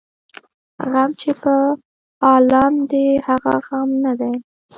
ـ غم چې په عالم دى هغه غم نه دى.